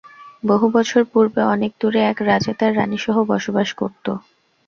বহুবছর পূর্বে অনেকদূরে, এক রাজা তার রানীসহ বসবাস করতো।